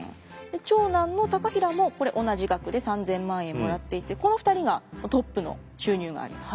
長男の高平も同じ額で３，０００万円もらっていてこの２人がトップの収入があります。